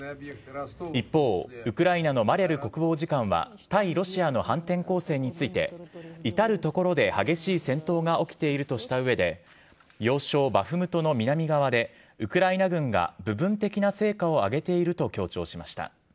一方、ウクライナのマリャル国防次官は対ロシアの反転攻勢について、至る所で激しい戦闘が起きているとしたうえで、要衝バフムトの南側で、ウクライナ軍が部分的な成果を上げていると強調しました。